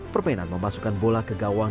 permainan memasukkan bola ke gawang